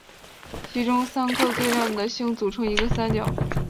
其中三颗最亮的星组成一个三角。